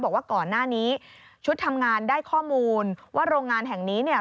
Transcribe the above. บอกว่าก่อนหน้านี้ชุดทำงานได้ข้อมูลว่าโรงงานแห่งนี้เนี่ย